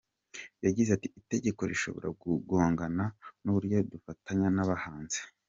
Yagize ati “Itegeko rishobora kugongana n’uburyo dufatanya n’abahanzi.